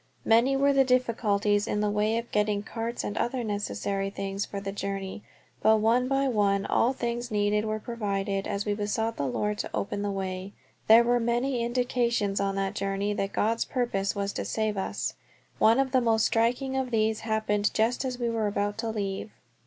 Many were the difficulties in the way of getting carts and other necessary things for the journey, but one by one all things needed were provided as we besought the Lord to open the way. There were many indications on that journey that God's purpose was to save us; one of the most striking of these happened just as we were about to leave.